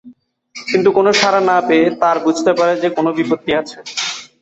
কিন্তু কোন সাড়া না পেয়ে তার বুঝতে পারে যে কোন বিপত্তি আছে।